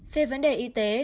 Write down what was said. về vấn đề y tế